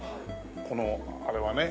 このあれはね。